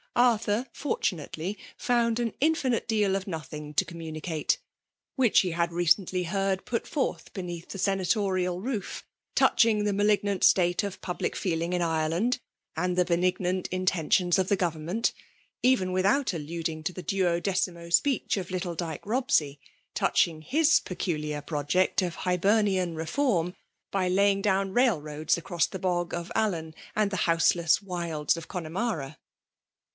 Arthur, fortunatelyi found an infinite deal of nothing to communicate, which he had recently heard put forth beneath the senatorial m2 244 FEMALE DOMINATION. Too£, touching the malignant state of public feeling in Ireland, and the benignant inten tions of government ; even without alluding to the duodecimo speech of little Dyke Bob sey, touching his peculiar project of Hibernian reform, by laying down railroads across the Bog of Allen and the houseless wilds of Connemara.